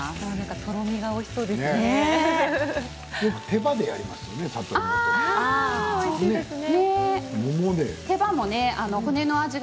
とろみがおいしそうですね。